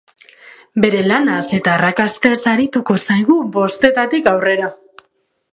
Bere lanaz eta arraskastez arituko zaigu bostetatik aurrera.